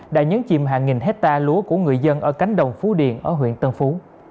đã nhấn chìm hàng nghìn hectare lúa của người dân ở cánh đồng phú điện ở huyện tân phú